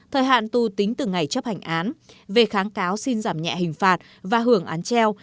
thời hạn tù tính từ ngày chấp hành án về kháng cáo xin giảm nhẹ hình phạt và hưởng án treo